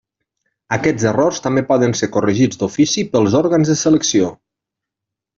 Aquests errors també poden ser corregits d'ofici pels òrgans de selecció.